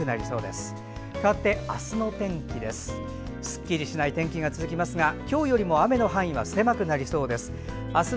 すっきりしない天気が続きますが今日よりも雨の範囲は狭くなるでしょう。